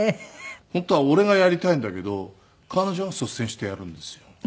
本当は俺がやりたいんだけど彼女が率先してやるんですよ。